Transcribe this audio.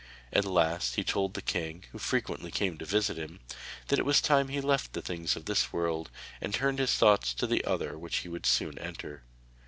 At last he told the king, who frequently came to visit him, that it was time he left the things of this world and turned his thoughts to the other which he would soon enter.